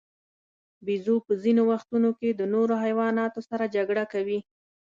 بیزو په ځینو وختونو کې د نورو حیواناتو سره جګړه کوي.